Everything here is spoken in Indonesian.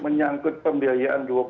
menyangkut pembiayaan dua puluh empat jam